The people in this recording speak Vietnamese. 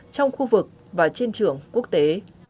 trong khu vực và trên trường quốc tế